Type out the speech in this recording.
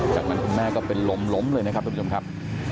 จากนั้นคุณแม่ก็เป็นลมล้มเลยนะครับทุกผู้ชมครับ